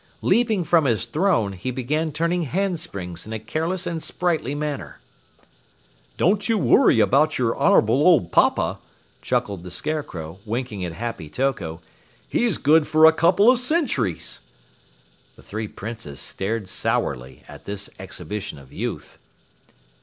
Leaping from his throne, he began turning handsprings in a careless and sprightly manner. "Don't you worry about your honorable old papa," chuckled the Scarecrow, winking at Happy Toko. "He's good for a couple of centuries!" The three Princes stared sourly at this exhibition of youth.